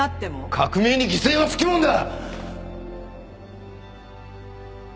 革命に犠牲は付き物だ！